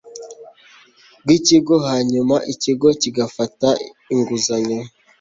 bw ikigo hanyuma ikigo kigafata inguzanyo